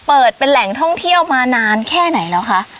เปิดเป็นแหล่งท่องเที่ยวมานานแค่ไหนแล้วคะ